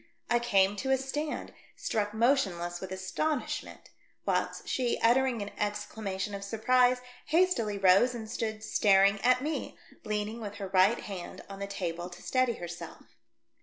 I came to a stand, struck motionless with astonishment ; whilst she, uttering an exclam ation of surprise, hastily rose and stood star ing at me, leaning with her right hand on the table to steady herself.